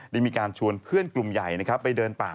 ได้มีการชวนเพื่อนกลุ่มใหญ่ไปเดินป่า